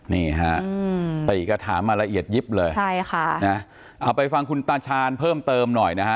นี่ฮะตีก็ถามมาละเอียดยิบเลยใช่ค่ะนะเอาไปฟังคุณตาชาญเพิ่มเติมหน่อยนะฮะ